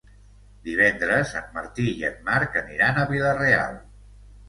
Divendres en Martí i en Marc aniran a Vila-real.